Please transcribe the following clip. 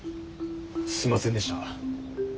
すいませんでした。